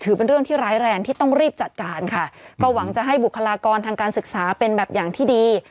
เป็นเรื่องที่ร้ายแรงที่ต้องรีบจัดการค่ะก็หวังจะให้บุคลากรทางการศึกษาเป็นแบบอย่างที่ดี